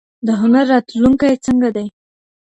د هنر راتلونکی څنګه دی؟